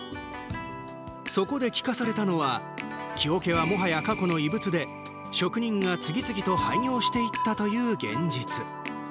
そこで聞かされたのは木おけは、もはや過去の遺物で職人が次々と廃業していったという現実。